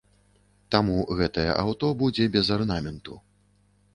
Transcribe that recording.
Таму гэтае аўто будзе без арнаменту.